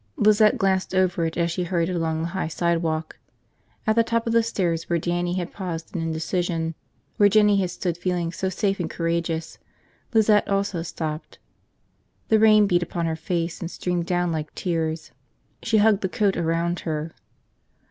Lizette glanced over it as she hurried along the high sidewalk. At the top of the stairs where Dannie had paused in indecision, where Jinny had stood feeling so safe and courageous, Lizette also stopped. The rain beat upon her face and streamed down like tears. She hugged the coat around her.